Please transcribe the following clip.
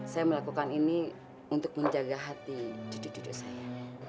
saya melakukan ini untuk menjaga hati cucu cucu saya